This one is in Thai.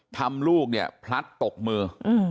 ลูกเนี่ยพลัดตกมือ